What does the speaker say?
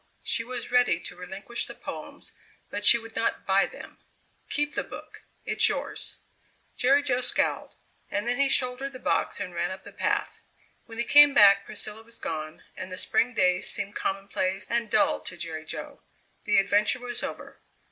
She was ready to relinquish the poems, but she would not buy them. "Keep the book it's yours." Jerry Jo scowled. And then he shouldered the box and ran up the path. When he came back Priscilla was gone, and the spring day seemed commonplace and dull to Jerry Jo; the adventure was over.